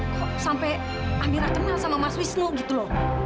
kok sampai amira kenal sama mas wisnu gitu loh